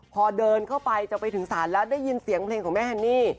พอเดินเข้าไปจะไปถึงศาลแล้วได้ยินเสียงเพลงของแม่ฮันนี่